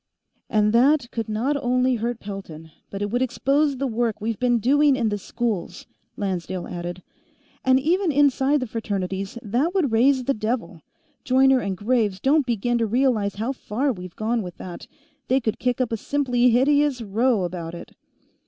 "And that could not only hurt Pelton, but it would expose the work we've been doing in the schools," Lancedale added. "And even inside the Fraternities, that would raise the devil. Joyner and Graves don't begin to realize how far we've gone with that. They could kick up a simply hideous row about it!"